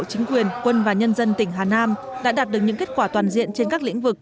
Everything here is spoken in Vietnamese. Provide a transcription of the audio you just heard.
chính quyền quân và nhân dân tỉnh hà nam đã đạt được những kết quả toàn diện trên các lĩnh vực